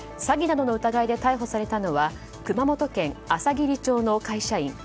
詐欺などの疑いで逮捕されたのは熊本県あさぎり町の会社員